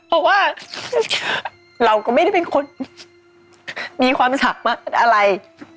เพราะว่าเราก็ไม่ได้เป็นคนมีความสามารถอะไร